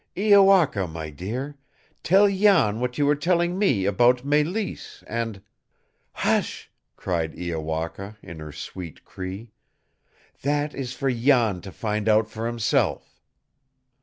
Iowaka, my dear, tell Jan what you were telling me, about Mélisse and " "Hush!" cried Iowaka in her sweet Cree. "That is for Jan to find out for himself."